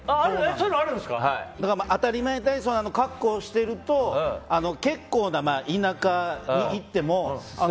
あたりまえ体操の格好をしてると結構な田舎に行っても。